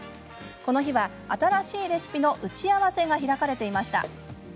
この日は、新しいレシピの打ち合わせが開かれていました。